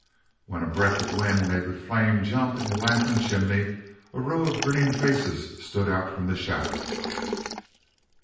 When a breath of wind made the flame jump in the lantern chimney a row of grinning faces stood out from the shadow.